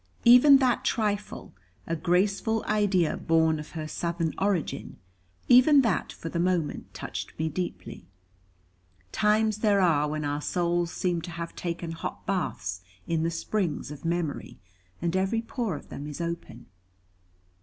Even that trifle, a graceful idea born of her Southern origin, even that for the moment touched me deeply. Times there are when our souls seem to have taken hot baths in the springs of memory, and every pore of them is open.